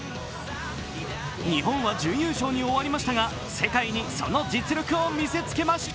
日本は準優勝に終わりましたが、世界にその実力を見せつけました。